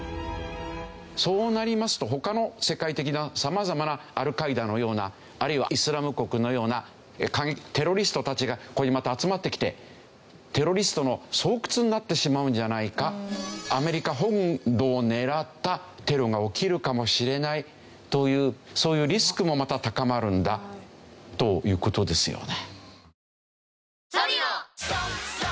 そうなりますと他の世界的な様々なアルカイダのようなあるいはイスラム国のような過激テロリストたちがここにまた集まってきてテロリストの巣窟になってしまうんじゃないかアメリカ本土を狙ったテロが起きるかもしれないというそういうリスクもまた高まるんだという事ですよね。